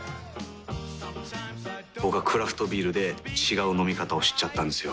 僕はクラフトビールで違う飲み方を知っちゃったんですよ。